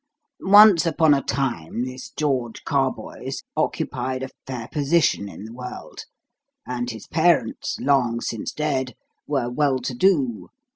Once upon a time this George Carboys occupied a fair position in the world, and his parents long since dead were well to do.